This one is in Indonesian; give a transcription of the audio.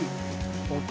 introduksi di dalam nekri